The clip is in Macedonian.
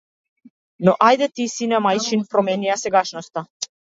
Но ајде ти, сине мајчин, промени ја сегашноста!